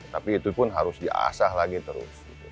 tapi itu pun harus diasah lagi terus